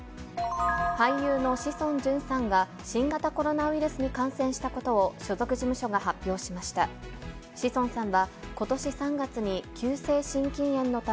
俳優の志尊淳さんが、新型コロナウイルスに感染したことを所属事務所が発表しました。